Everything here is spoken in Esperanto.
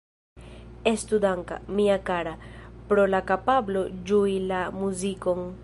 Estu danka, mia kara, pro la kapablo ĝui la muzikon.